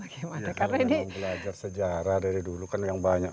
karena kita belajar sejarah dari dulu kan yang banyak